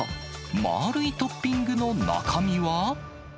まーるいトッピングの中身は？